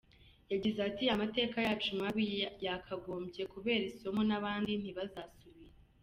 Yagize ati "Amateka yacu mabi, yakagombye kubera isomo n’abandi ntibizasubire.